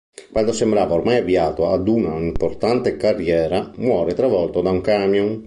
Quando sembrava ormai avviato ad una importante carriera, muore travolto da un camion.